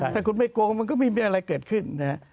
ถ้าคุณไม่โกงมันก็ไม่มีอะไรเกิดขึ้นนะฮะ